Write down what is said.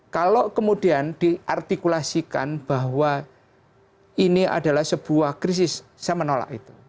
kalau kemudian diartikulasikan bahwa ini adalah sebuah krisis saya menolak itu